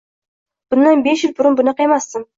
Bundan besh yil burun bunaqa emasdim.